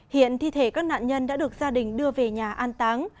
hiện thi thể các nạn nhân đã được gia đình đưa về nhà an táng